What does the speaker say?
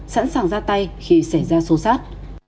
sẵn sàng ra tay khi xảy ra xô xát